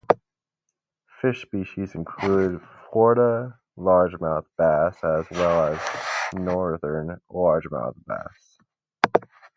Fish species include Florida largemouth bass as well as Northern largemouth bass.